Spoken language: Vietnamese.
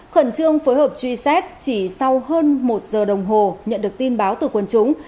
khẩn trương phối hợp truy xét chỉ sau hơn một giờ đồng hồ nhận được tin báo từ quần chúng